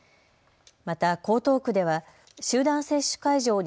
また、江東区では集団接種会場